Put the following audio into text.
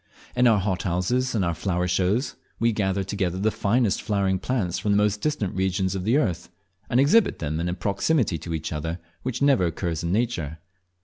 In our hothouses and at our flower shows we gather together the finest flowering plants from the most distant regions of the earth, and exhibit them in a proximity to each other which never occurs in nature.